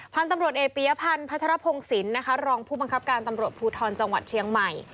พันธุ์ตำรวจเอกปียพันธ์พัชรพงศิลป์นะคะรองผู้บังคับการตำรวจภูทรจังหวัดเชียงใหม่